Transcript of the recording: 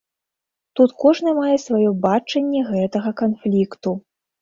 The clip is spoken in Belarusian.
Тут кожны мае сваё бачанне гэтага канфлікту.